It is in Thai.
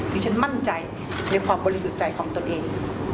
ดิฉันมั่นใจในความบริสุทธิ์ใจของตนเอง